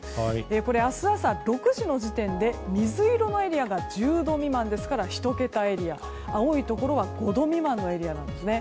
これは明日朝６時の時点で水色のエリアが１０度未満ですから１桁エリア青いところは５度未満のエリアなんですね。